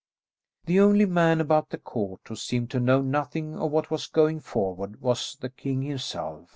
The only man about the court who seemed to know nothing of what was going forward was the king himself.